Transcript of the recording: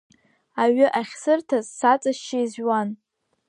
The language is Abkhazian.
Аҩы ахьсырҭаз саҵашьшьы изжәуан.